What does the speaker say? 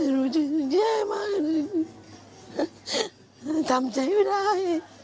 รู้สึกแย่มากเลยทำใจไม่ได้